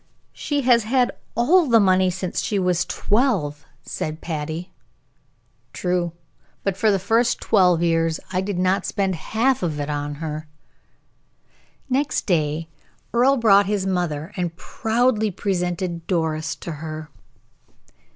"She has had all the money since she was twelve," said Patty. "True, but for the first twelve years I did not spend the half of it on her." Next day Earle brought his mother, and proudly presented Doris to her.